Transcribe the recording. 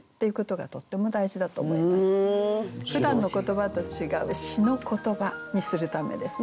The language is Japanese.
ふだんの言葉と違う「詩の言葉」にするためですね。